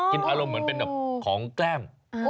อารมณ์เหมือนเป็นแบบของแกล้ม